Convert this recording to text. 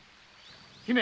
姫！